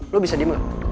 lo bisa diem gak